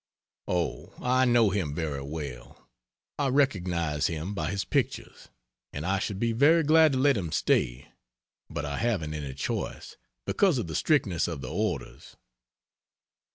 "Oh, I know him very well I recognize him by his pictures; and I should be very glad to let him stay, but I haven't any choice, because of the strictness of the orders."